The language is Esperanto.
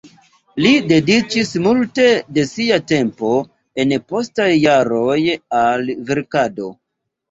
Li dediĉis multe de sia tempo en postaj jaroj al verkado.